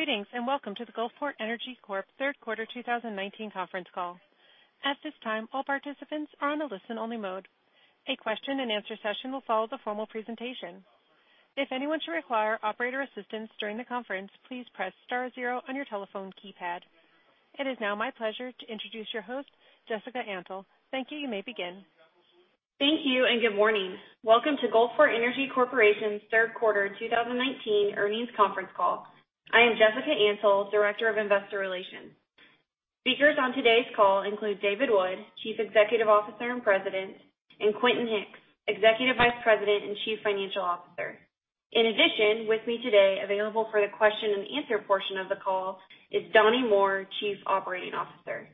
Greetings, welcome to the Gulfport Energy Corp Third Quarter 2019 Conference Call. At this time, all participants are on a listen-only mode. A question and answer session will follow the formal presentation. If anyone should require operator assistance during the conference, please press star zero on your telephone keypad. It is now my pleasure to introduce your host, Jessica Antle. Thank you. You may begin. Thank you, and good morning. Welcome to Gulfport Energy Corporation's Third Quarter 2019 Earnings Conference Call. I am Jessica Antle, Director of Investor Relations. Speakers on today's call include David Wood, Chief Executive Officer and President, and Quentin Hicks, Executive Vice President and Chief Financial Officer. In addition, with me today, available for the question and answer portion of the call, is Donnie Moore, Chief Operating Officer.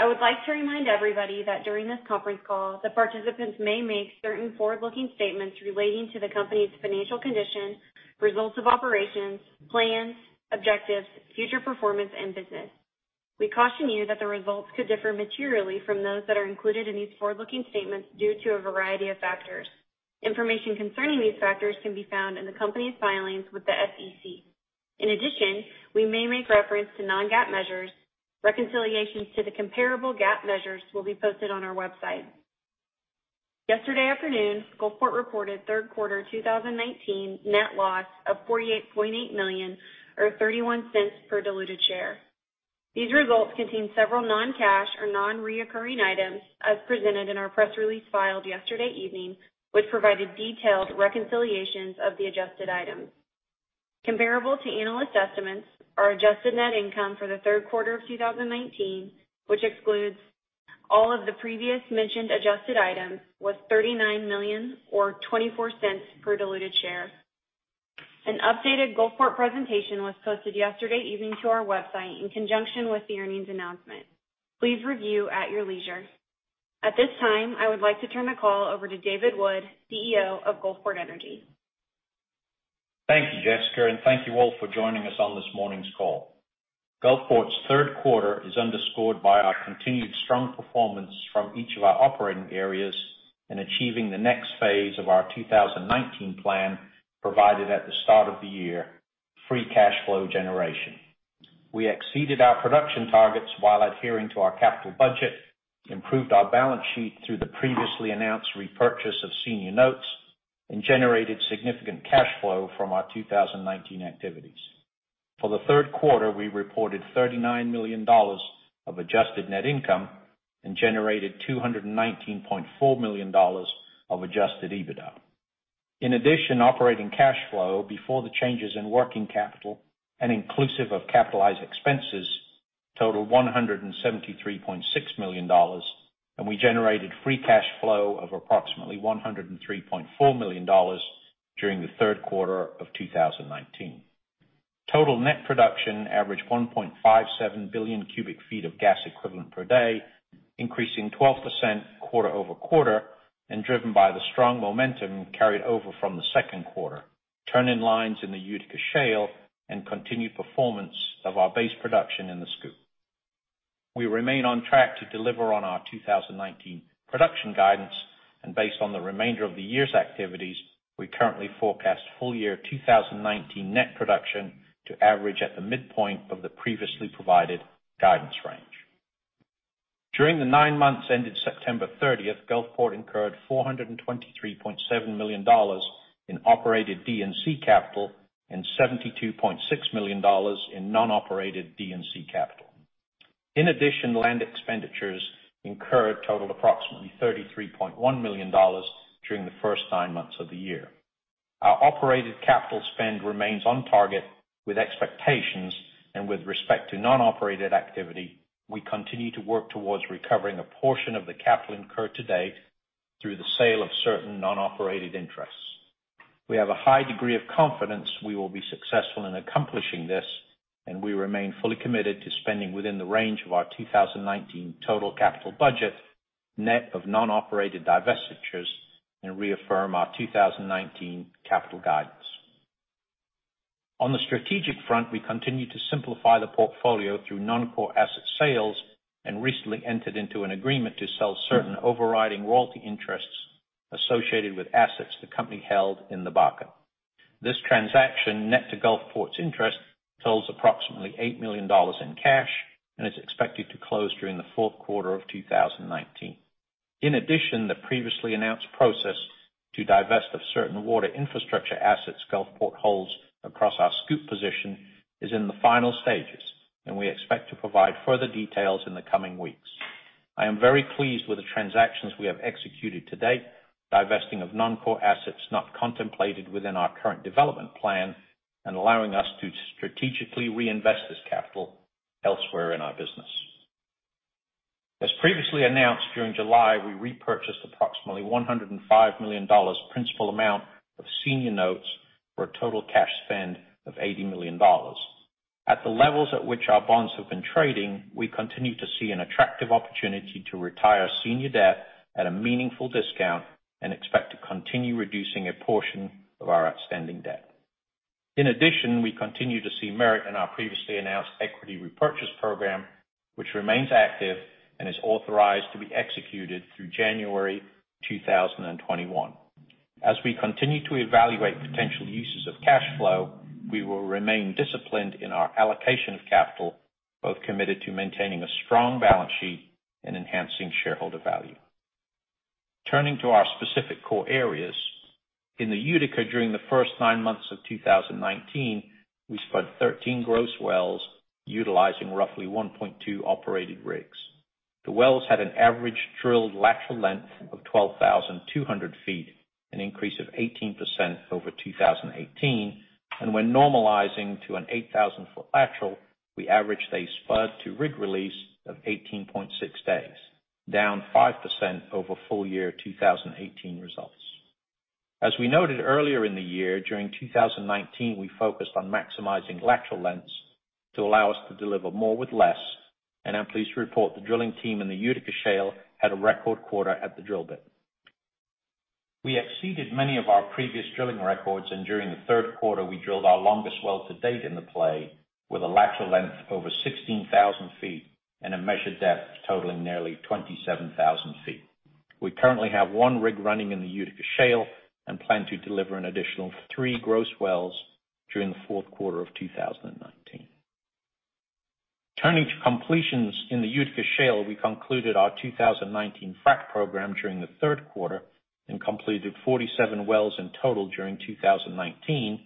I would like to remind everybody that during this conference call, the participants may make certain forward-looking statements relating to the company's financial condition, results of operations, plans, objectives, future performance, and business. We caution you that the results could differ materially from those that are included in these forward-looking statements due to a variety of factors. Information concerning these factors can be found in the company's filings with the SEC. In addition, we may make reference to non-GAAP measures. Reconciliations to the comparable GAAP measures will be posted on our website. Yesterday afternoon, Gulfport reported third quarter 2019 net loss of $48.8 million, or $0.31 per diluted share. These results contain several non-cash or non-reoccurring items, as presented in our press release filed yesterday evening, which provided detailed reconciliations of the adjusted items. Comparable to analyst estimates, our adjusted net income for the third quarter of 2019, which excludes all of the previous mentioned adjusted items, was $39 million, or $0.24 per diluted share. An updated Gulfport presentation was posted yesterday evening to our website in conjunction with the earnings announcement. Please review at your leisure. At this time, I would like to turn the call over to David Wood, CEO of Gulfport Energy. Thank you, Jessica, and thank you all for joining us on this morning's call. Gulfport's third quarter is underscored by our continued strong performance from each of our operating areas in achieving the next phase of our 2019 plan provided at the start of the year: free cash flow generation. We exceeded our production targets while adhering to our capital budget, improved our balance sheet through the previously announced repurchase of senior notes, and generated significant cash flow from our 2019 activities. For the third quarter, we reported $39 million of adjusted net income and generated $219.4 million of adjusted EBITDA. In addition, operating cash flow before the changes in working capital and inclusive of capitalized expenses totaled $173.6 million, and we generated free cash flow of approximately $103.4 million during the third quarter of 2019. Total net production averaged 1.57 billion cubic feet of gas equivalent per day, increasing 12% quarter-over-quarter and driven by the strong momentum carried over from the second quarter, turn-in-lines in the Utica Shale, and continued performance of our base production in the SCOOP. We remain on track to deliver on our 2019 production guidance and based on the remainder of the year's activities, we currently forecast full-year 2019 net production to average at the midpoint of the previously provided guidance range. During the nine months ended September 30th, Gulfport incurred $423.7 million in operated D&C capital and $72.6 million in non-operated D&C capital. In addition, land expenditures incurred totaled approximately $33.1 million during the first nine months of the year. Our operated capital spend remains on target with expectations and with respect to non-operated activity, we continue to work towards recovering a portion of the capital incurred to date through the sale of certain non-operated interests. We have a high degree of confidence we will be successful in accomplishing this, and we remain fully committed to spending within the range of our 2019 total capital budget, net of non-operated divestitures, and reaffirm our 2019 capital guidance. On the strategic front, we continue to simplify the portfolio through non-core asset sales and recently entered into an agreement to sell certain Overriding Royalty Interests associated with assets the company held in the Bakken. This transaction, net to Gulfport's interest, totals approximately $8 million in cash and is expected to close during the fourth quarter of 2019. In addition, the previously announced process to divest of certain water infrastructure assets Gulfport holds across our SCOOP position is in the final stages. We expect to provide further details in the coming weeks. I am very pleased with the transactions we have executed to date, divesting of non-core assets not contemplated within our current development plan and allowing us to strategically reinvest this capital elsewhere in our business. As previously announced, during July, we repurchased approximately $105 million principal amount of senior notes for a total cash spend of $80 million. At the levels at which our bonds have been trading, we continue to see an attractive opportunity to retire senior debt at a meaningful discount and expect to continue reducing a portion of our outstanding debt. We continue to see merit in our previously announced equity repurchase program, which remains active and is authorized to be executed through January 2021. We continue to evaluate potential uses of cash flow, we will remain disciplined in our allocation of capital, both committed to maintaining a strong balance sheet and enhancing shareholder value. Turning to our specific core areas. In the Utica during the first nine months of 2019, we spudded 13 gross wells utilizing roughly 1.2 operated rigs. The wells had an average drilled lateral length of 12,200 feet, an increase of 18% over 2018. When normalizing to an 8,000-foot lateral, we averaged a spud to rig release of 18.6 days, down 5% over full year 2018 results. As we noted earlier in the year, during 2019, we focused on maximizing lateral lengths to allow us to deliver more with less, and I'm pleased to report the drilling team in the Utica Shale had a record quarter at the drill bit. We exceeded many of our previous drilling records, and during the third quarter, we drilled our longest well to date in the play with a lateral length over 16,000 feet and a measured depth totaling nearly 27,000 feet. We currently have one rig running in the Utica Shale and plan to deliver an additional three gross wells during the fourth quarter of 2019. Turning to completions in the Utica Shale, we concluded our 2019 frac program during the third quarter and completed 47 wells in total during 2019,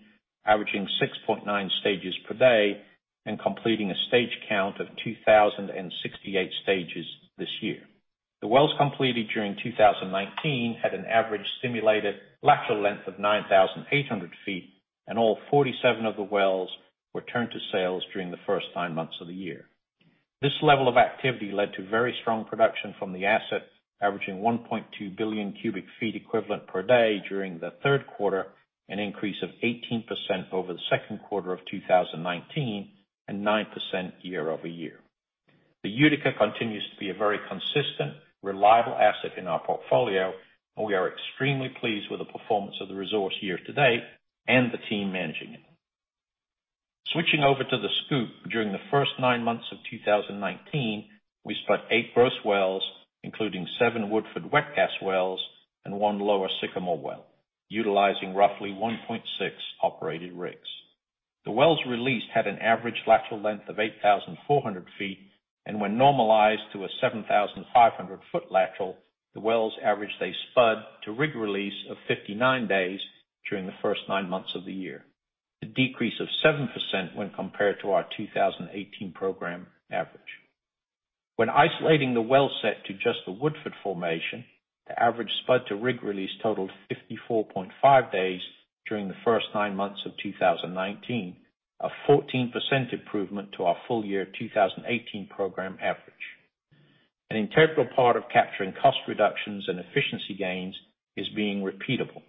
averaging 6.9 stages per day and completing a stage count of 2,068 stages this year. The wells completed during 2019 had an average stimulated lateral length of 9,800 feet, and all 47 of the wells were turned to sales during the first nine months of the year. This level of activity led to very strong production from the asset, averaging 1.2 billion cubic feet equivalent per day during the third quarter, an increase of 18% over the second quarter of 2019 and 9% year-over-year. The Utica continues to be a very consistent, reliable asset in our portfolio, and we are extremely pleased with the performance of the resource year to date and the team managing it. Switching over to the SCOOP, during the first nine months of 2019, we spudded eight gross wells, including seven Woodford wet gas wells and one lower Sycamore well, utilizing roughly 1.6 operated rigs. The wells released had an average lateral length of 8,400 feet, and when normalized to a 7,500-foot lateral, the wells averaged a spud to rig release of 59 days during the first nine months of the year, a decrease of 7% when compared to our 2018 program average. When isolating the well set to just the Woodford formation, the average spud to rig release totaled 54.5 days during the first nine months of 2019, a 14% improvement to our full year 2018 program average. An integral part of capturing cost reductions and efficiency gains is being repeatable,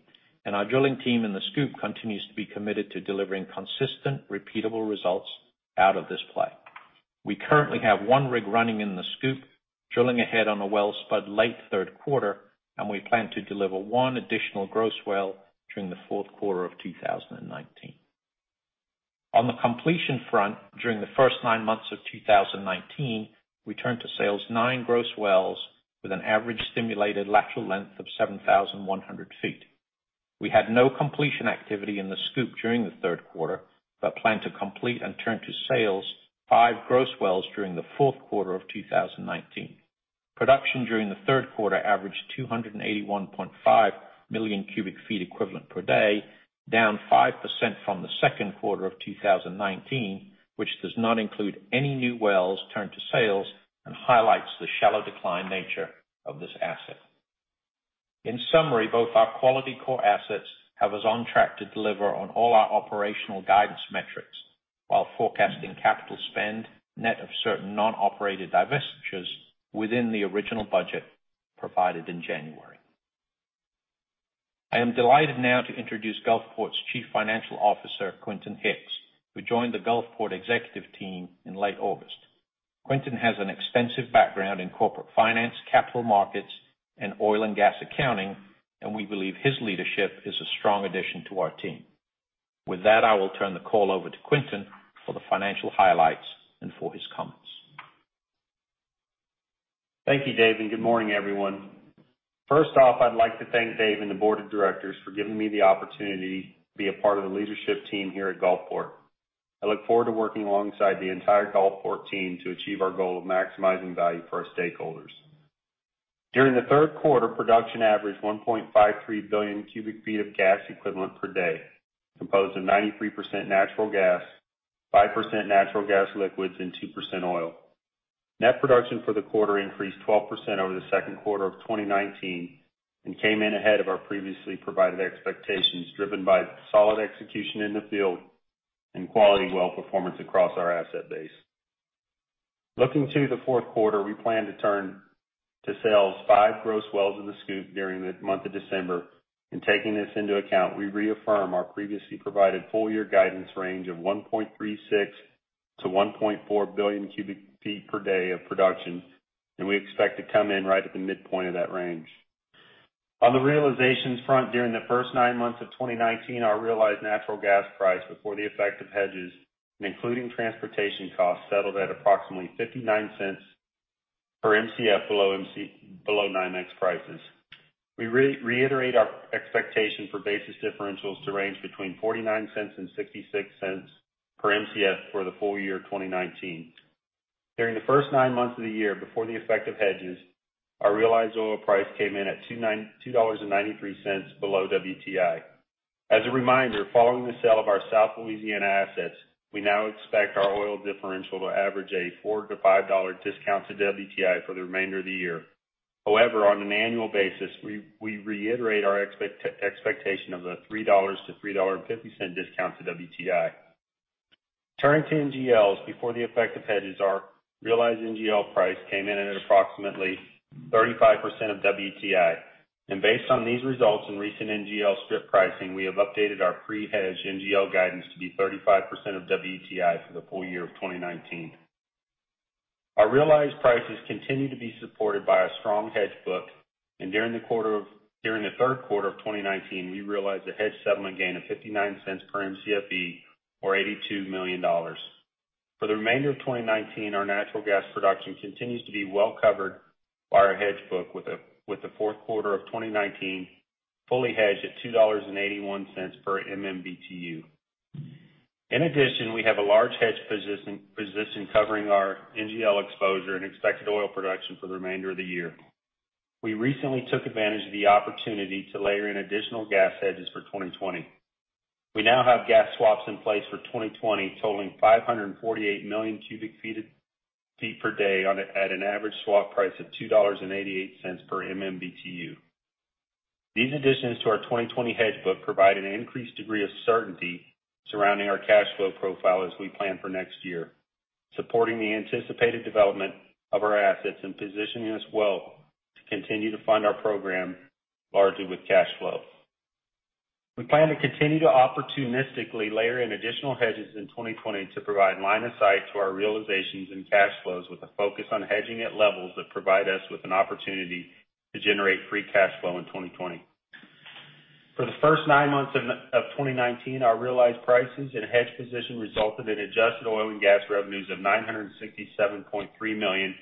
and our drilling team in the SCOOP continues to be committed to delivering consistent, repeatable results out of this play. We currently have one rig running in the SCOOP, drilling ahead on a well spud late third quarter, and we plan to deliver one additional gross well during the fourth quarter of 2019. On the completion front, during the first nine months of 2019, we turned to sales nine gross wells with an average stimulated lateral length of 7,100 feet. We had no completion activity in the SCOOP during the third quarter, but plan to complete and turn to sales five gross wells during the fourth quarter of 2019. Production during the third quarter averaged 281.5 million cubic feet equivalent per day, down 5% from the second quarter of 2019, which does not include any new wells turned to sales and highlights the shallow decline nature of this asset. In summary, both our quality core assets have us on track to deliver on all our operational guidance metrics while forecasting capital spend net of certain non-operated divestitures within the original budget provided in January. I am delighted now to introduce Gulfport's Chief Financial Officer, Quentin Hicks, who joined the Gulfport executive team in late August. Quentin has an extensive background in corporate finance, capital markets, and oil and gas accounting, and we believe his leadership is a strong addition to our team. With that, I will turn the call over to Quentin for the financial highlights and for his comments. Thank you, Dave, and good morning, everyone. First off, I'd like to thank Dave and the board of directors for giving me the opportunity to be a part of the leadership team here at Gulfport. I look forward to working alongside the entire Gulfport team to achieve our goal of maximizing value for our stakeholders. During the third quarter, production averaged 1.53 billion cubic feet of gas equivalent per day, composed of 93% natural gas, 5% natural gas liquids and 2% oil. Net production for the quarter increased 12% over the second quarter of 2019 and came in ahead of our previously provided expectations, driven by solid execution in the field and quality well performance across our asset base. Looking to the fourth quarter, we plan to turn to sales five gross wells in the SCOOP during the month of December. Taking this into account, we reaffirm our previously provided full-year guidance range of 1.36 billion cubic feet per day - 1.4 billion cubic feet per day of production, and we expect to come in right at the midpoint of that range. On the realizations front, during the first nine months of 2019, our realized natural gas price before the effect of hedges, and including transportation costs, settled at approximately $0.59 per Mcf below NYMEX prices. We reiterate our expectation for basis differentials to range between $0.49 and $0.66 per Mcf for the full year 2019. During the first nine months of the year, before the effect of hedges, our realized oil price came in at $2.93 below WTI. As a reminder, following the sale of our South Louisiana assets, we now expect our oil differential to average a $4 to $5 discount to WTI for the remainder of the year. However, on an annual basis, we reiterate our expectation of the $3-$3.50 discount to WTI. Turning to NGLs, before the effect of hedges, our realized NGL price came in at approximately 35% of WTI. Based on these results and recent NGL strip pricing, we have updated our pre-hedge NGL guidance to be 35% of WTI for the full year of 2019. Our realized prices continue to be supported by a strong hedge book, and during the third quarter of 2019, we realized a hedge settlement gain of $0.59 per Mcfe, or $82 million. For the remainder of 2019, our natural gas production continues to be well covered by our hedge book, with the fourth quarter of 2019 fully hedged at $2.81 per MMBtu. In addition, we have a large hedge position covering our NGL exposure and expected oil production for the remainder of the year. We recently took advantage of the opportunity to layer in additional gas hedges for 2020. We now have gas swaps in place for 2020 totaling 548 million cubic feet per day at an average swap price of $2.88 per MMBtu. These additions to our 2020 hedge book provide an increased degree of certainty surrounding our cash flow profile as we plan for next year, supporting the anticipated development of our assets and positioning us well to continue to fund our program largely with cash flow. We plan to continue to opportunistically layer in additional hedges in 2020 to provide line of sight to our realizations and cash flows, with a focus on hedging at levels that provide us with an opportunity to generate free cash flow in 2020. For the first nine months of 2019, our realized prices and hedge position resulted in adjusted oil and gas revenues of $967.3 million,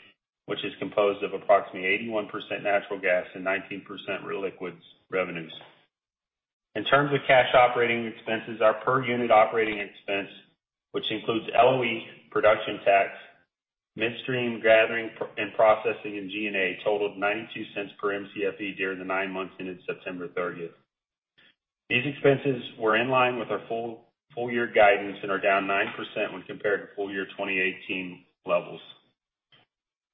which is composed of approximately 81% natural gas and 19% raw liquids revenues. In terms of cash operating expenses, our per-unit operating expense, which includes LOE, production tax, midstream gathering and processing in G&A, totaled $0.92 per Mcfe during the nine months ending September 30th. These expenses were in line with our full-year guidance and are down 9% when compared to full-year 2018 levels.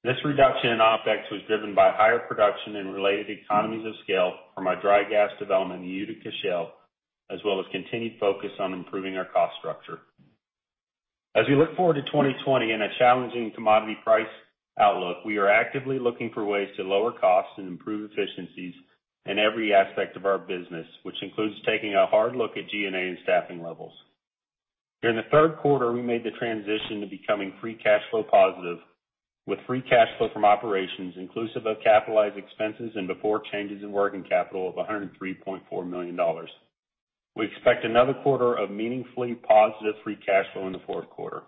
This reduction in OpEx was driven by higher production and related economies of scale from our dry gas development in the Utica Shale, as well as continued focus on improving our cost structure. As we look forward to 2020 in a challenging commodity price outlook, we are actively looking for ways to lower costs and improve efficiencies in every aspect of our business, which includes taking a hard look at G&A and staffing levels. During the third quarter, we made the transition to becoming free cash flow positive with free cash flow from operations inclusive of capitalized expenses and before changes in working capital of $103.4 million. We expect another quarter of meaningfully positive free cash flow in the fourth quarter.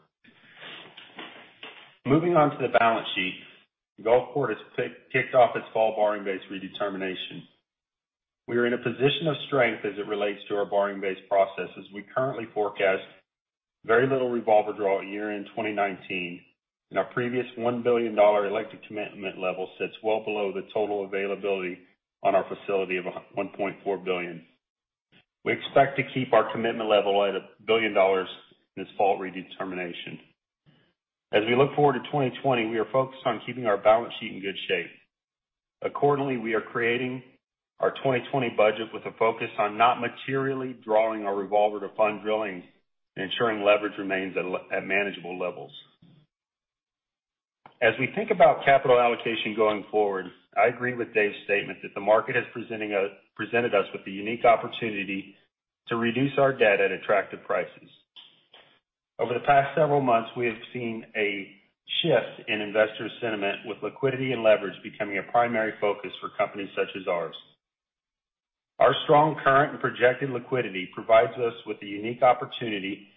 Moving on to the balance sheet, Gulfport Energy has kicked off its fall borrowing base redetermination. We are in a position of strength as it relates to our borrowing base processes. We currently forecast very little revolver draw at year-end 2019. Our previous $1 billion elected commitment level sits well below the total availability on our facility of $1.4 billion. We expect to keep our commitment level at $1 billion this fall redetermination. As we look forward to 2020, we are focused on keeping our balance sheet in good shape. Accordingly, we are creating our 2020 budget with a focus on not materially drawing our revolver to fund drilling and ensuring leverage remains at manageable levels. As we think about capital allocation going forward, I agree with Dave's statement that the market has presented us with the unique opportunity to reduce our debt at attractive prices. Over the past several months, we have seen a shift in investor sentiment with liquidity and leverage becoming a primary focus for companies such as ours. Our strong current and projected liquidity provides us with the unique opportunity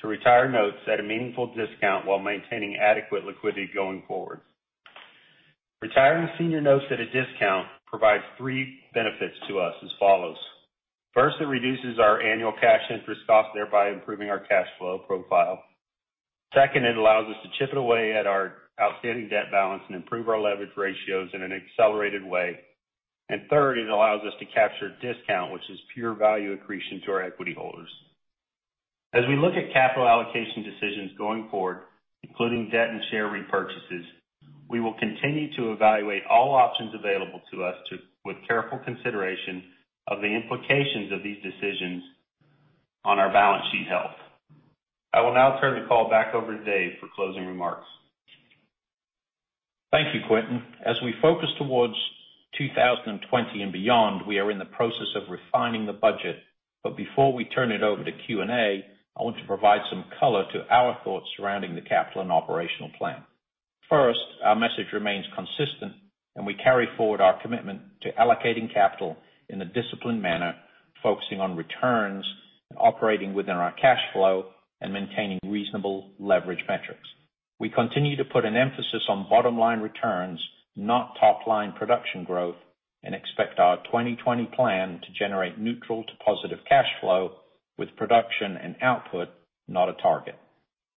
to retire notes at a meaningful discount while maintaining adequate liquidity going forward. Retiring senior notes at a discount provides three benefits to us as follows. First, it reduces our annual cash interest cost, thereby improving our cash flow profile. Second, it allows us to chip it away at our outstanding debt balance and improve our leverage ratios in an accelerated way. Third, it allows us to capture discount, which is pure value accretion to our equity holders. As we look at capital allocation decisions going forward, including debt and share repurchases, we will continue to evaluate all options available to us with careful consideration of the implications of these decisions on our balance sheet health. I will now turn the call back over to Dave for closing remarks. Thank you, Quentin. As we focus towards 2020 and beyond, we are in the process of refining the budget, but before we turn it over to Q&A, I want to provide some color to our thoughts surrounding the capital and operational plan. First, our message remains consistent, and we carry forward our commitment to allocating capital in a disciplined manner, focusing on returns and operating within our cash flow and maintaining reasonable leverage metrics. We continue to put an emphasis on bottom-line returns, not top-line production growth, and expect our 2020 plan to generate neutral to positive cash flow with production and output, not a target.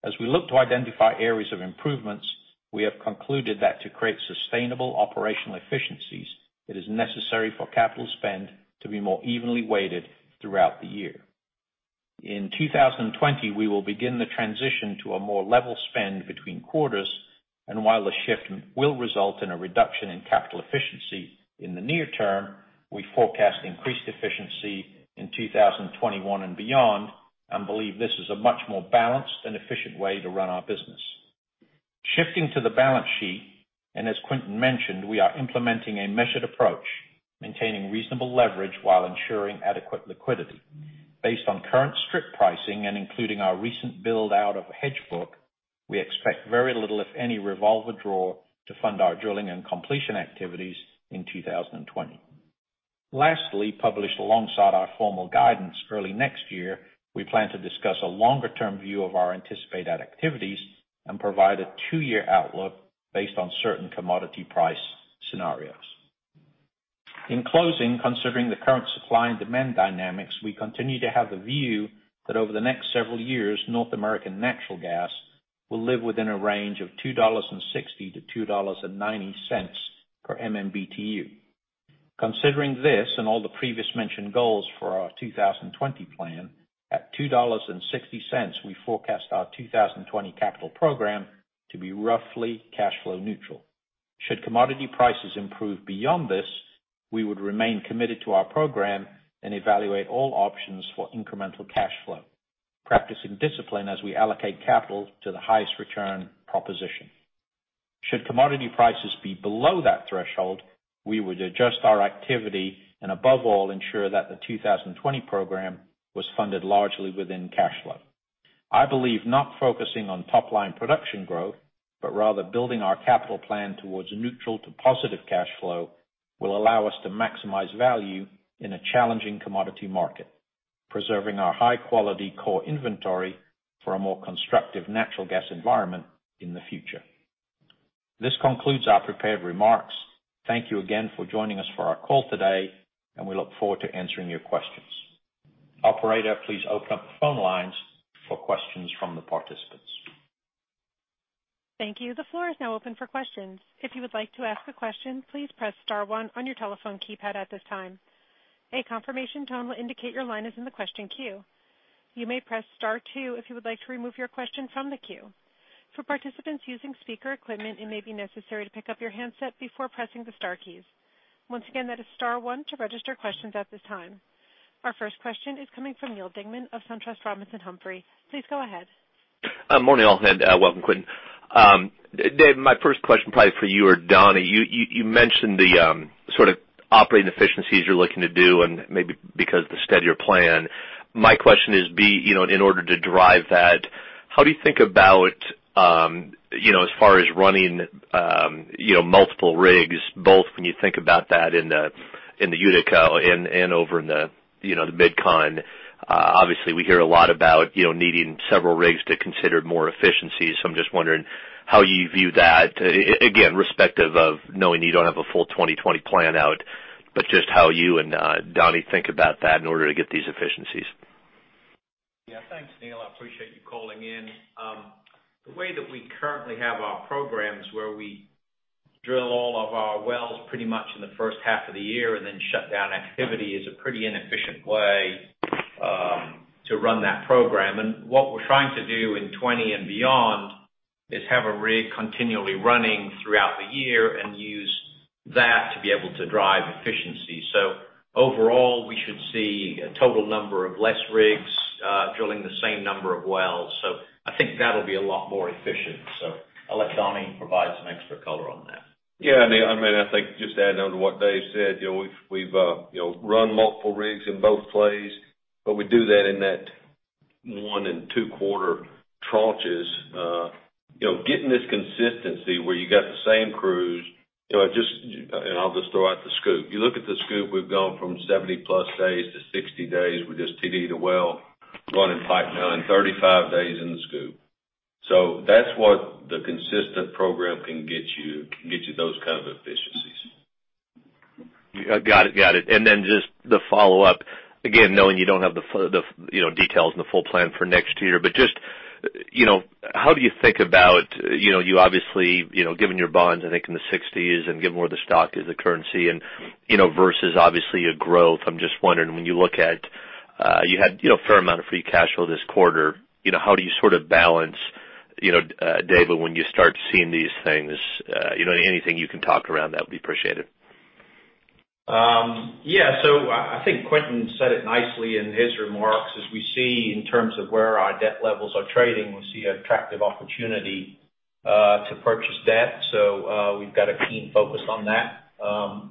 As we look to identify areas of improvements, we have concluded that to create sustainable operational efficiencies, it is necessary for capital spend to be more evenly weighted throughout the year. In 2020, we will begin the transition to a more level spend between quarters. While the shift will result in a reduction in capital efficiency in the near term, we forecast increased efficiency in 2021 and beyond and believe this is a much more balanced and efficient way to run our business. Shifting to the balance sheet, as Quentin mentioned, we are implementing a measured approach, maintaining reasonable leverage while ensuring adequate liquidity. Based on current strip pricing and including our recent build-out of the hedge book, we expect very little, if any, revolver draw to fund our drilling and completion activities in 2020. Lastly, published alongside our formal guidance early next year, we plan to discuss a longer-term view of our anticipated activities and provide a two-year outlook based on certain commodity price scenarios. In closing, considering the current supply and demand dynamics, we continue to have the view that over the next several years, North American natural gas will live within a range of $2.60-$2.90 per MMBtu. Considering this and all the previous mentioned goals for our 2020 plan, at $2.60, we forecast our 2020 capital program to be roughly cash flow neutral. Should commodity prices improve beyond this, we would remain committed to our program and evaluate all options for incremental cash flow, practicing discipline as we allocate capital to the highest return proposition. Should commodity prices be below that threshold, we would adjust our activity and above all, ensure that the 2020 program was funded largely within cash flow. I believe not focusing on top-line production growth, but rather building our capital plan towards a neutral to positive cash flow, will allow us to maximize value in a challenging commodity market, preserving our high-quality core inventory for a more constructive natural gas environment in the future. This concludes our prepared remarks. Thank you again for joining us for our call today, and we look forward to answering your questions. Operator, please open up the phone lines for questions from the participants. Thank you. The floor is now open for questions. If you would like to ask a question, please press star one on your telephone keypad at this time. A confirmation tone will indicate your line is in the question queue. You may press star two if you would like to remove your question from the queue. For participants using speaker equipment, it may be necessary to pick up your handset before pressing the star keys. Once again, that is star one to register questions at this time. Our first question is coming from Neal Dingmann of SunTrust Robinson Humphrey. Please go ahead. Morning, all, welcome, Quentin. Dave, my first question probably is for you or Donnie. You mentioned the sort of operating efficiencies you're looking to do and maybe because of the steadier plan. My question is, in order to drive that, how do you think about as far as running multiple rigs, both when you think about that in the Utica and over in the MidCon? Obviously, we hear a lot about needing several rigs to consider more efficiencies. I'm just wondering how you view that, again, respective of knowing you don't have a full 2020 plan out, but just how you and Donnie think about that in order to get these efficiencies. Yeah. Thanks, Neal. I appreciate you calling in. The way that we currently have our programs, where we drill all of our wells pretty much in the first half of the year and then shut down activity, is a pretty inefficient way to run that program. What we're trying to do in 2020 and beyond is have a rig continually running throughout the year and use that to be able to drive efficiency. Overall, we should see a total number of less rigs drilling the same number of wells. I think that'll be a lot more efficient. I'll let Donnie provide some extra color on that. Yeah, Neal, I think just adding on to what Dave said, we've run multiple rigs in both plays, but we do that in that one in two quarter tranches. Getting this consistency where you got the same crews, I'll just throw out the SCOOP. You look at the SCOOP, we've gone from 70-plus days to 60 days. We just TD'd a well, running pipe now 35 days in the SCOOP. That's what the consistent program can get you. It can get you those kind of efficiencies. Got it. Just the follow-up. Again, knowing you don't have the details and the full plan for next year, how do you think about you obviously, given your bonds, I think, in the sixties and given where the stock is, the currency, and versus obviously a growth, I'm just wondering, when you look at you had a fair amount of free cash flow this quarter. How do you sort of balance, David, when you start seeing these things? Anything you can talk around, that would be appreciated. Yeah. I think Quentin said it nicely in his remarks. As we see in terms of where our debt levels are trading, we see attractive opportunity to purchase debt. We've got a keen focus on that.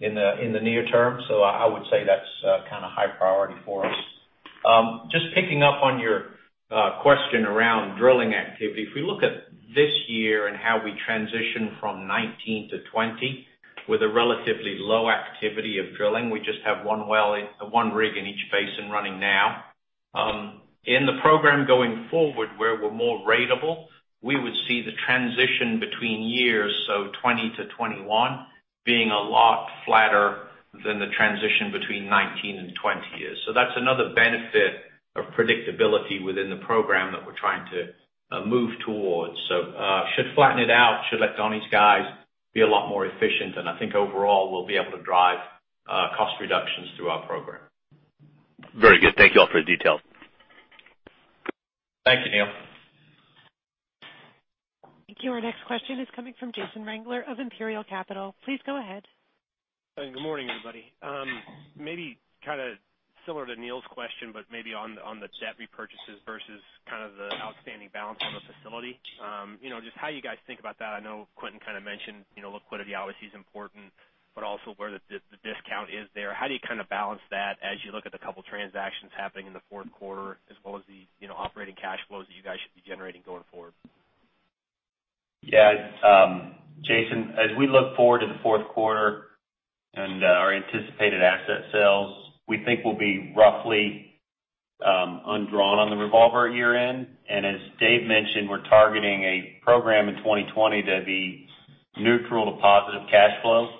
In the near term. I would say that's high priority for us. Just picking up on your question around drilling activity. If we look at this year and how we transition from 2019 to 2020 with a relatively low activity of drilling, we just have one rig in each basin running now. In the program going forward, where we're more ratable, we would see the transition between years, 2020 to 2021, being a lot flatter than the transition between 2019 and 2020 years. That's another benefit of predictability within the program that we're trying to move towards. Should flatten it out, should let Donnie's guys be a lot more efficient, and I think overall, we'll be able to drive cost reductions through our program. Very good. Thank you all for the details. Thank you, Neal. Thank you. Our next question is coming from Jason Wangler of Imperial Capital. Please go ahead. Good morning, everybody. Maybe kind of similar to Neal's question, on the debt repurchases versus the outstanding balance on the facility. Just how you guys think about that. I know Quentin kind of mentioned, liquidity obviously is important, also where the discount is there. How do you kind of balance that as you look at the couple transactions happening in the fourth quarter as well as the operating cash flows that you guys should be generating going forward? Yeah. Jason, as we look forward to the fourth quarter and our anticipated asset sales, we think we'll be roughly undrawn on the revolver year-end. As Dave mentioned, we're targeting a program in 2020 to be neutral to positive cash flows.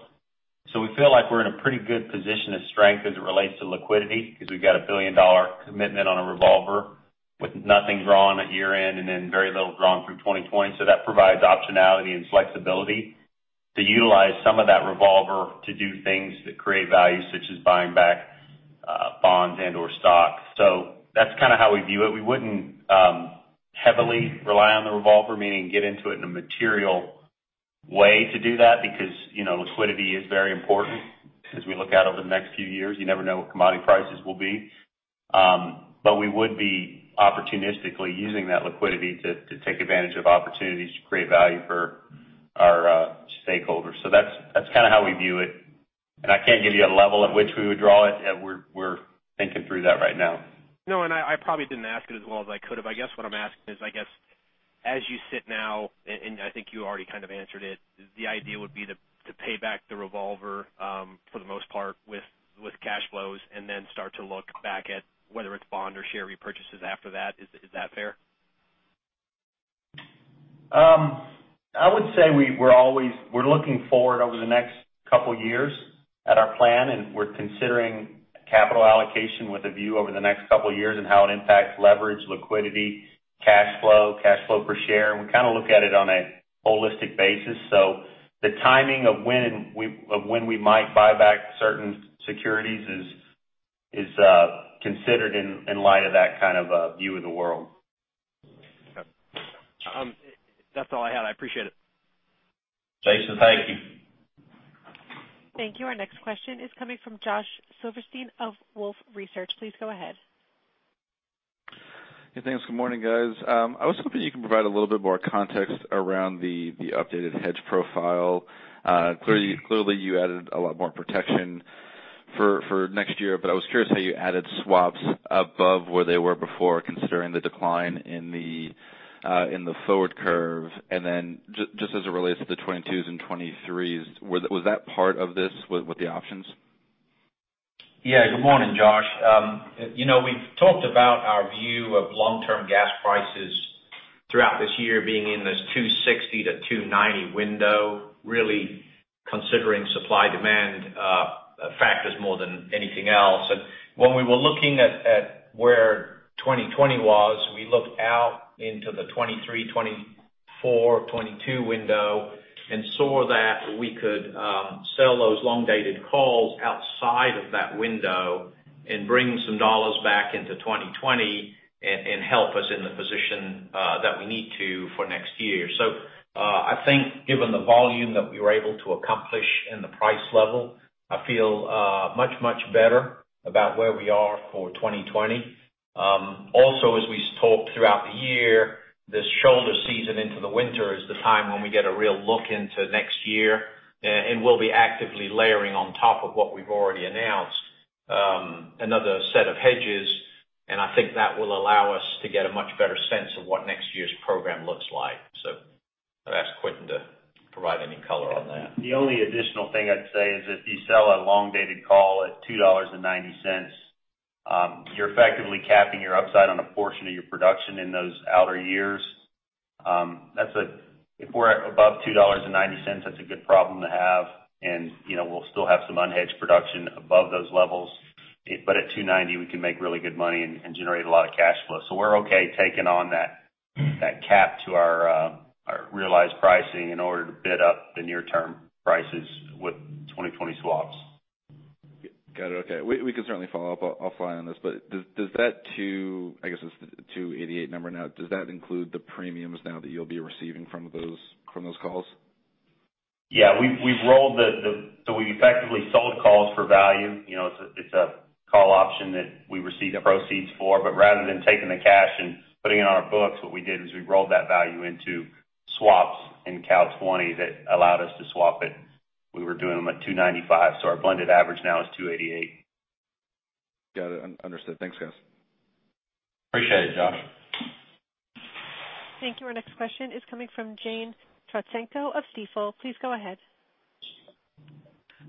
We feel like we're in a pretty good position of strength as it relates to liquidity, because we've got a billion-dollar commitment on a revolver with nothing drawn at year-end, and then very little drawn through 2020. That provides optionality and flexibility to utilize some of that revolver to do things that create value, such as buying back bonds and/or stock. That's kind of how we view it. We wouldn't heavily rely on the revolver, meaning get into it in a material way to do that because liquidity is very important as we look out over the next few years. You never know what commodity prices will be. We would be opportunistically using that liquidity to take advantage of opportunities to create value for our stakeholders. That's how we view it, and I can't give you a level at which we would draw it. We're thinking through that right now. No, and I probably didn't ask it as well as I could have. I guess what I'm asking is, as you sit now, and I think you already kind of answered it, the idea would be to pay back the revolver, for the most part, with cash flows and then start to look back at whether it's bond or share repurchases after that. Is that fair? I would say we're looking forward over the next couple years at our plan, and we're considering capital allocation with a view over the next couple of years and how it impacts leverage, liquidity, cash flow, cash flow per share. We kind of look at it on a holistic basis. The timing of when we might buy back certain securities is considered in light of that kind of view of the world. Okay. That's all I had. I appreciate it. Jason, thank you. Thank you. Our next question is coming from Josh Silverstein of Wolfe Research. Please go ahead. Hey, thanks. Good morning, guys. I was hoping you can provide a little bit more context around the updated hedge profile. Clearly, you added a lot more protection for next year, but I was curious how you added swaps above where they were before, considering the decline in the forward curve. Then just as it relates to the 2022s and 2023s, was that part of this with the options? Good morning, Josh. We've talked about our view of long-term gas prices throughout this year being in this $2.60 to $2.90 window, really considering supply-demand factors more than anything else. When we were looking at where 2020 was, we looked out into the 2023, 2024, 2022 window and saw that we could sell those long-dated calls outside of that window and bring some dollars back into 2020 and help us in the position that we need to for next year. I think given the volume that we were able to accomplish and the price level, I feel much, much better about where we are for 2020. As we talked throughout the year, this shoulder season into the winter is the time when we get a real look into next year, and we'll be actively layering on top of what we've already announced, another set of hedges, and I think that will allow us to get a much better sense of what next year's program looks like. I'd ask Quentin to provide any color on that. The only additional thing I'd say is if you sell a long-dated call at $2.90, you're effectively capping your upside on a portion of your production in those outer years. If we're above $2.90, that's a good problem to have, and we'll still have some unhedged production above those levels. At $2.90, we can make really good money and generate a lot of cash flow. We're okay taking on that cap to our realized pricing in order to bid up the near-term prices with 2020 swaps. Got it. Okay. We can certainly follow up offline on this, but does that I guess this is the 2.88 number now. Does that include the premiums now that you'll be receiving from those calls? Yeah. We effectively sold calls for value. It's a call option that we received the proceeds for. Rather than taking the cash and putting it on our books, what we did was we rolled that value into swaps in Cal 20 that allowed us to swap it. We were doing them at $295, our blended average now is $288. Got it. Understood. Thanks, guys. Appreciate it, Josh. Thank you. Our next question is coming from Jane Trotsenko of Stifel. Please go ahead.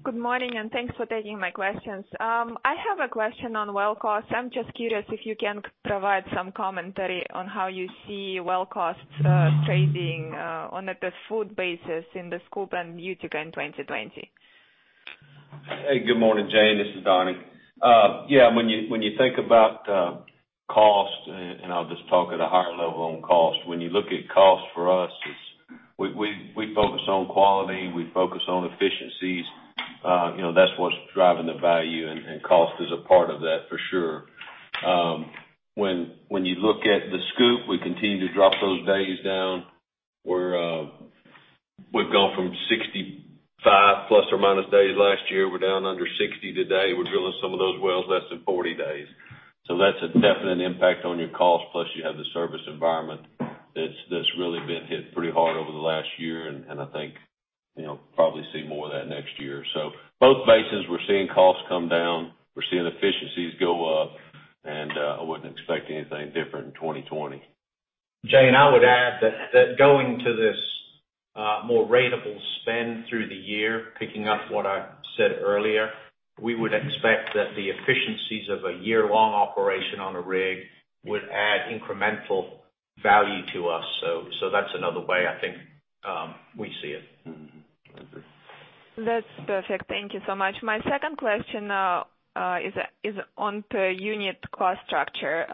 Good morning. Thanks for taking my questions. I have a question on well costs. I'm just curious if you can provide some commentary on how you see well costs trading on a per foot basis in the SCOOP and Utica in 2020. Hey, good morning, Jane. This is Donnie. Yeah. When you think about cost, I'll just talk at a high level on cost. When you look at cost for us, we focus on quality, we focus on efficiencies. That's what's driving the value, and cost is a part of that, for sure. When you look at the SCOOP, we continue to drop those days down. We've gone from 65 ± days last year. We're down under 60 today. We're drilling some of those wells less than 40 days. That's a definite impact on your cost. Plus, you have the service environment that's really been hit pretty hard over the last year, and I think you'll probably see more of that next year. Both basins, we're seeing costs come down. We're seeing efficiencies go up, and I wouldn't expect anything different in 2020. Jane, I would add that going to this more ratable spend through the year, picking up what I said earlier, we would expect that the efficiencies of a year-long operation on a rig would add incremental value to us. That's another way, I think, we see it. Mm-hmm. Understood. That's perfect. Thank you so much. My second question now is on per unit cost structure.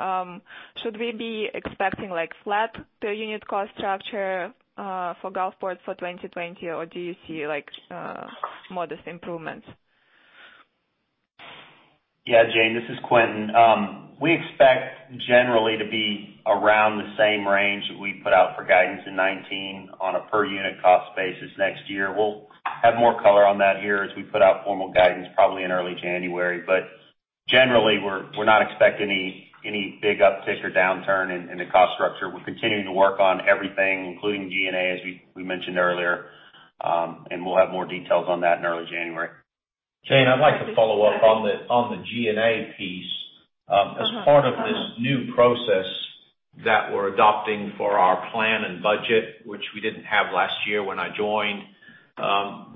Should we be expecting flat per unit cost structure for Gulfport for 2020, or do you see modest improvements? Yeah, Jane, this is Quentin. We expect generally to be around the same range that we put out for guidance in 2019 on a per unit cost basis next year. We'll have more color on that here as we put out formal guidance probably in early January. Generally, we're not expecting any big uptick or downturn in the cost structure. We're continuing to work on everything, including G&A, as we mentioned earlier, and we'll have more details on that in early January. Okay. Jane, I'd like to follow up on the G&A piece. As part of this new process that we're adopting for our plan and budget, which we didn't have last year when I joined.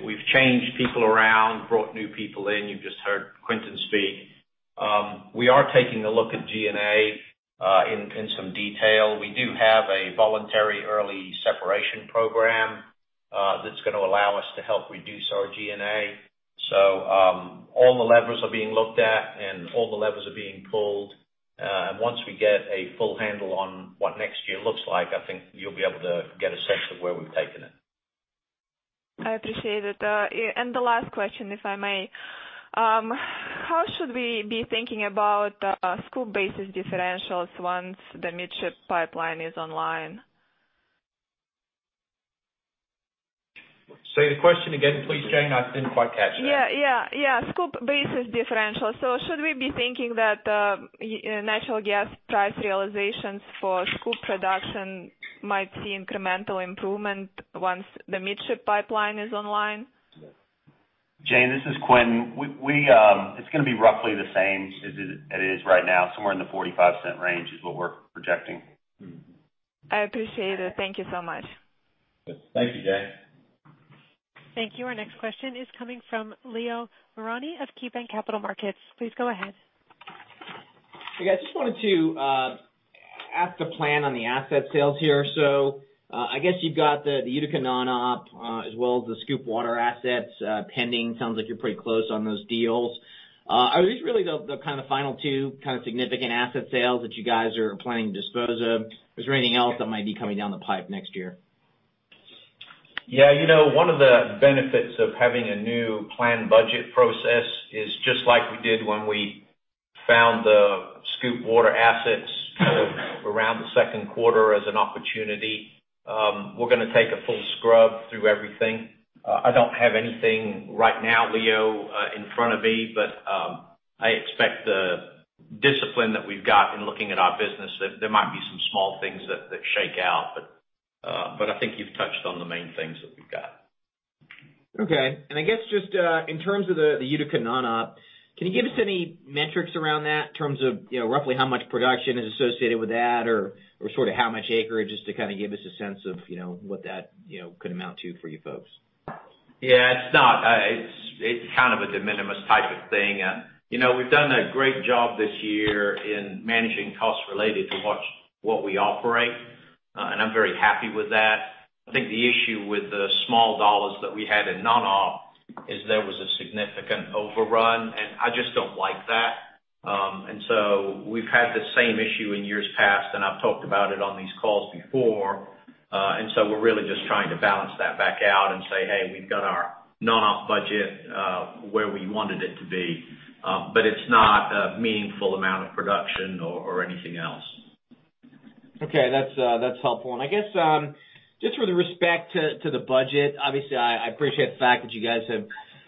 We've changed people around, brought new people in. You've just heard Quentin speak. We are taking a look at G&A in some detail. We do have a voluntary early separation program that's going to allow us to help reduce our G&A. All the levers are being looked at and all the levers are being pulled. Once we get a full handle on what next year looks like, I think you'll be able to get a sense of where we've taken it. I appreciate it. The last question, if I may. How should we be thinking about SCOOP basis differentials once the Midship Pipeline is online? Say the question again, please, Jane. I didn't quite catch that. Yeah. SCOOP basis differential. Should we be thinking that natural gas price realizations for SCOOP production might see incremental improvement once the Midship Pipeline is online? Jane, this is Quentin. It's going to be roughly the same as it is right now. Somewhere in the $0.45 range is what we're projecting. I appreciate it. Thank you so much. Good. Thank you, Jane. Thank you. Our next question is coming from Leo Mariani of KeyBanc Capital Markets. Please go ahead. Hey, guys. Just wanted to ask the plan on the asset sales here. I guess you've got the Utica non-op as well as the SCOOP water assets pending. Sounds like you're pretty close on those deals. Are these really the final two significant asset sales that you guys are planning to dispose of? Is there anything else that might be coming down the pipe next year? Yeah. One of the benefits of having a new plan budget process is just like we did when we found the SCOOP water assets sort of around the second quarter as an opportunity. We're going to take a full scrub through everything. I don't have anything right now, Leo, in front of me, but I expect the discipline that we've got in looking at our business, that there might be some small things that shake out, but I think you've touched on the main things that we've got. Okay. I guess just in terms of the Utica non-op, can you give us any metrics around that in terms of roughly how much production is associated with that or sort of how much acreage, just to kind of give us a sense of what that could amount to for you folks? Yeah, it's not. It's kind of a de minimis type of thing. We've done a great job this year in managing costs related to what we operate, and I'm very happy with that. I think the issue with the small dollars that we had in non-op is there was a significant overrun, and I just don't like that. We've had the same issue in years past, and I've talked about it on these calls before. We're really just trying to balance that back out and say, "Hey, we've got our non-op budget where we wanted it to be." It's not a meaningful amount of production or anything else. Okay. That's helpful. I guess just with respect to the budget, obviously, I appreciate the fact that you guys have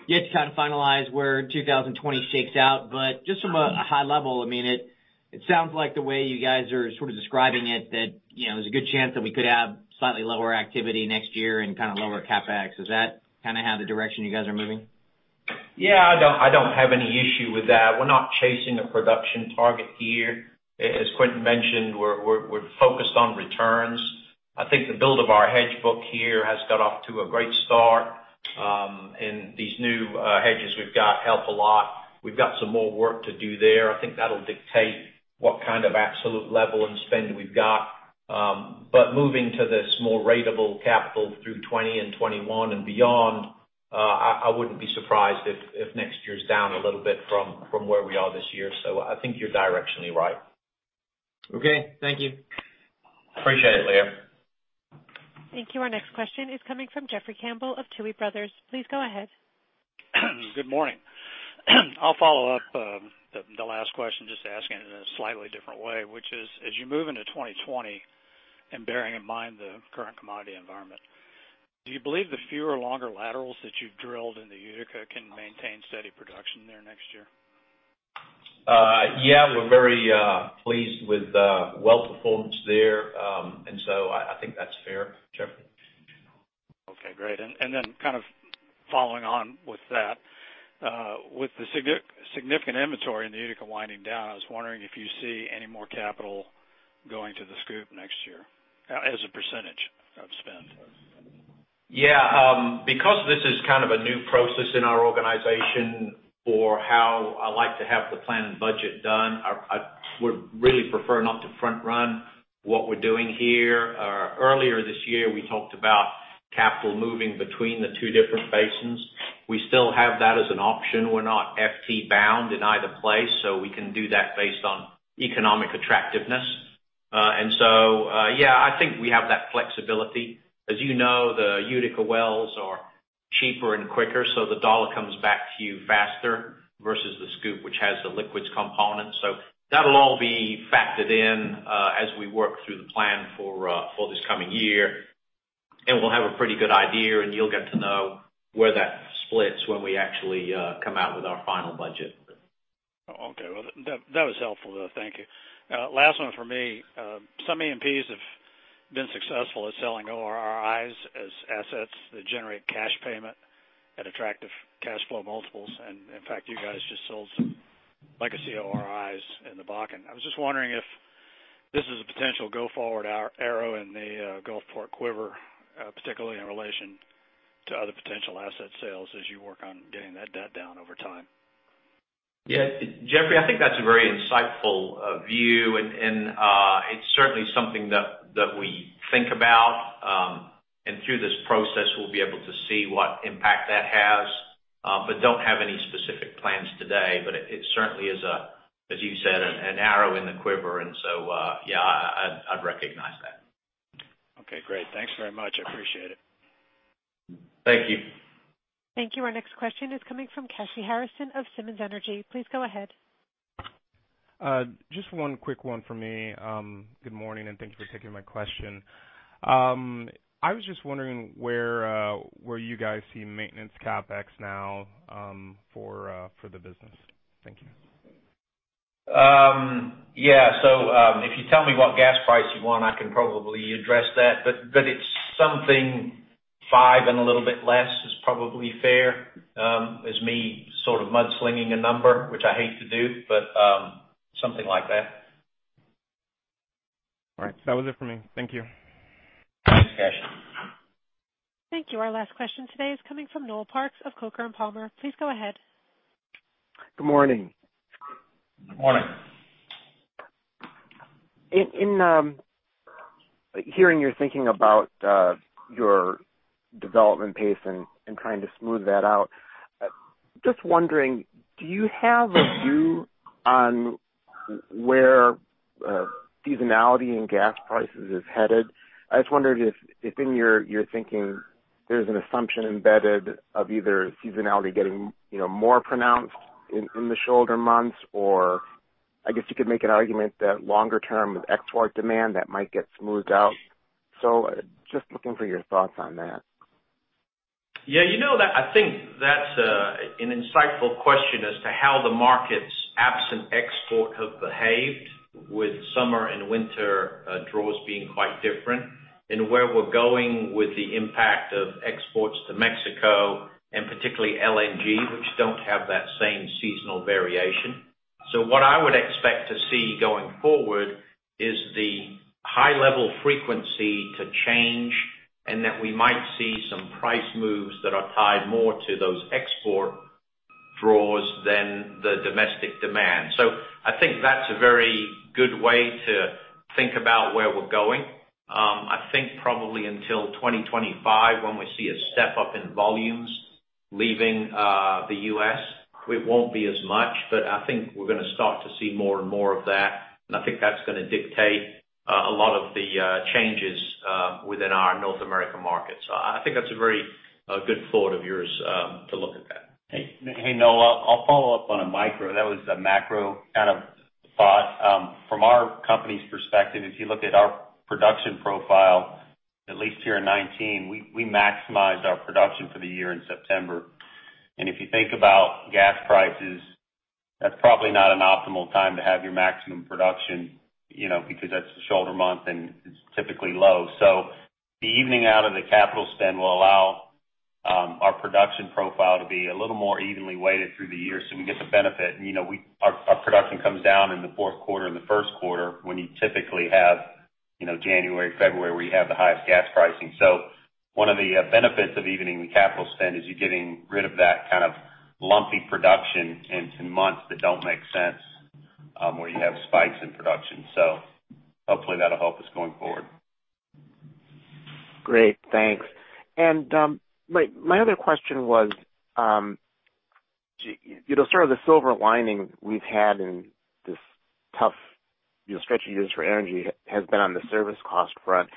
yet to kind of finalize where 2020 shakes out. Just from a high level, I mean. It sounds like the way you guys are sort of describing it, that there's a good chance that we could have slightly lower activity next year and kind of lower CapEx. Is that kind of how the direction you guys are moving? Yeah, I don't have any issue with that. We're not chasing a production target here. As Quentin mentioned, we're focused on returns. I think the build of our hedge book here has got off to a great start. These new hedges we've got help a lot. We've got some more work to do there. I think that'll dictate what kind of absolute level in spend we've got. Moving to this more ratable capital through 2020 and 2021 and beyond, I wouldn't be surprised if next year's down a little bit from where we are this year. I think you're directionally right. Okay. Thank you. Appreciate it, Leo. Thank you. Our next question is coming from Jeffrey Campbell of Tuohy Brothers. Please go ahead. Good morning. I'll follow up the last question, just asking it in a slightly different way, which is, as you move into 2020, and bearing in mind the current commodity environment, do you believe the fewer longer laterals that you've drilled in the Utica can maintain steady production there next year? Yeah, we're very pleased with the well performance there. I think that's fair, Jeffrey. Okay, great. Kind of following on with that, with the significant inventory in the Utica winding down, I was wondering if you see any more capital going to the SCOOP next year as a % of spend. Because this is kind of a new process in our organization for how I like to have the plan and budget done, I would really prefer not to front-run what we're doing here. Earlier this year, we talked about capital moving between the two different basins. We still have that as an option. We're not FT bound in either place, we can do that based on economic attractiveness. I think we have that flexibility. As you know, the Utica wells are cheaper and quicker, the dollar comes back to you faster versus the SCOOP, which has the liquids component. That'll all be factored in as we work through the plan for this coming year. We'll have a pretty good idea, and you'll get to know where that splits when we actually come out with our final budget. Okay. Well, that was helpful, though. Thank you. Last one for me. Some E&Ps have been successful at selling ORRIs as assets that generate cash payment at attractive cash flow multiples. In fact, you guys just sold some legacy ORRIs in the Bakken. I was just wondering if this is a potential go-forward arrow in the Gulfport quiver, particularly in relation to other potential asset sales as you work on getting that debt down over time. Yeah. Jeffrey, I think that's a very insightful view, and it's certainly something that we think about. Through this process, we'll be able to see what impact that has. Don't have any specific plans today. It certainly is a, as you said, an arrow in the quiver. Yeah, I'd recognize that. Okay, great. Thanks very much. I appreciate it. Thank you. Thank you. Our next question is coming from Kashy Harrison of Simmons Energy. Please go ahead. Just one quick one for me. Good morning. Thank you for taking my question. I was just wondering where you guys see maintenance CapEx now for the business. Thank you. Yeah. If you tell me what gas price you want, I can probably address that. It's something five and a little bit less is probably fair is me sort of mudslinging a number, which I hate to do, but something like that. All right. That was it for me. Thank you. Thanks, Kashy. Thank you. Our last question today is coming from Noel Parks of Coker Palmer. Please go ahead. Good morning. Good morning. In hearing you're thinking about your development pace and trying to smooth that out, just wondering, do you have a view on where seasonality in gas prices is headed? I just wondered if in your thinking there's an assumption embedded of either seasonality getting more pronounced in the shoulder months, or I guess you could make an argument that longer term with export demand, that might get smoothed out. Just looking for your thoughts on that. Yeah. You know that I think that's an insightful question as to how the markets absent export have behaved with summer and winter draws being quite different. Where we're going with the impact of exports to Mexico and particularly LNG, which don't have that same seasonal variation. What I would expect to see going forward is the high level frequency to change, and that we might see some price moves that are tied more to those export draws than the domestic demand. I think that's a very good way to think about where we're going. I think probably until 2025 when we see a step up in volumes leaving the U.S., it won't be as much, I think we're going to start to see more and more of that, and I think that's going to dictate a lot of the changes within our North American markets. I think that's a very good thought of yours to look at that. Hey, Noel, I'll follow up on a micro. That was a macro kind of thought. From our company's perspective, if you look at our production profile, at least here in 2019, we maximized our production for the year in September. If you think about gas prices, that's probably not an optimal time to have your maximum production, because that's the shoulder month, and it's typically low. The evening out of the capital spend will allow our production profile to be a little more evenly weighted through the year so we get the benefit. Our production comes down in the fourth quarter and the first quarter when you typically have January, February, where you have the highest gas pricing. One of the benefits of evening the capital spend is you're getting rid of that kind of lumpy production into months that don't make sense, where you have spikes in production. Hopefully that'll help us going forward. Great, thanks. My other question was, sort of the silver lining we've had in this tough stretch of years for energy has been on the service cost front,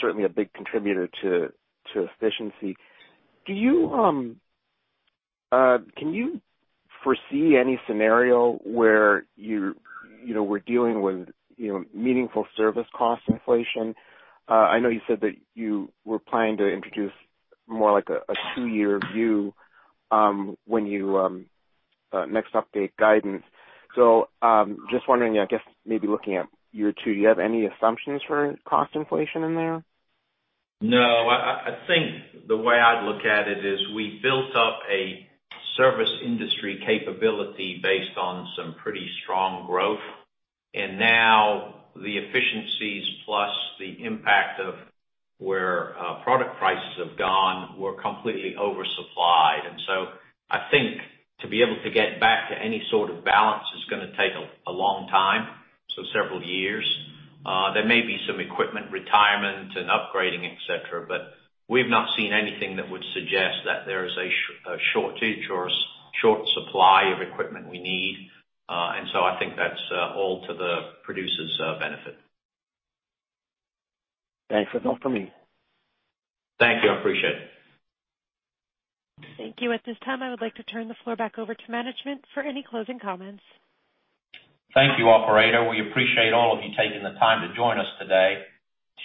certainly a big contributor to efficiency. Can you foresee any scenario where we're dealing with meaningful service cost inflation? I know you said that you were planning to introduce more like a two-year view when you next update guidance. Just wondering, I guess maybe looking at year two, do you have any assumptions for cost inflation in there? No. I think the way I'd look at it is we built up a service industry capability based on some pretty strong growth. Now the efficiencies plus the impact of where product prices have gone, we're completely oversupplied. So I think to be able to get back to any sort of balance is going to take a long time, so several years. There may be some equipment retirement and upgrading, et cetera, but we've not seen anything that would suggest that there is a shortage or a short supply of equipment we need. So I think that's all to the producer's benefit. Thanks. That's all for me. Thank you. I appreciate it. Thank you. At this time, I would like to turn the floor back over to management for any closing comments. Thank you, operator. We appreciate all of you taking the time to join us today.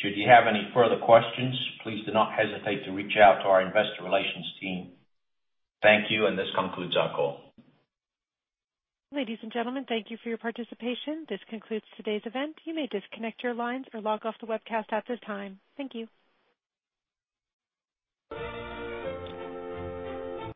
Should you have any further questions, please do not hesitate to reach out to our investor relations team. Thank you, and this concludes our call. Ladies and gentlemen, thank you for your participation. This concludes today's event. You may disconnect your lines or log off the webcast at this time. Thank you.